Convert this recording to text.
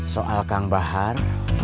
soal kang bahar